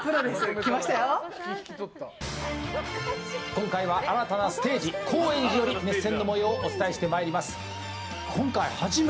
今回は新たなステージ高円寺より熱戦の模様をお伝えしてまいります。